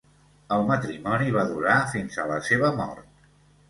El matrimoni va durar fins a la seva mort.